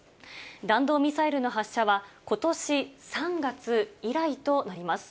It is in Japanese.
弾道ミサイルの発射は、ことし３月以来となります。